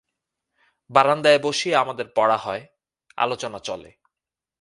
বারান্দায় বসিয়া আমাদের পড়া হয়, আলোচনা চলে।